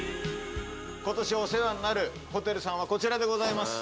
ことしお世話になるホテルさんはこちらでございます。